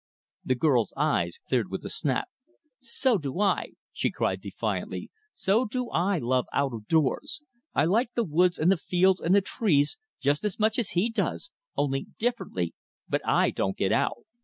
The girl's eyes cleared with a snap. "So do I!" she cried defiantly, "so do I love out of doors! I like the woods and the fields and the trees just as much as he does, only differently; but I don't get out!"